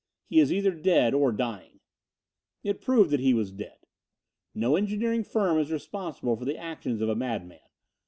He is either dead or dying." It proved that he was dead. No engineering firm is responsible for the actions of a madman.